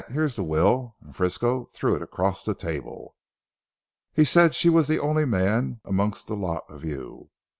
Here's the will," and Frisco threw it across the table. "He said she was the only man amongst the lot of you.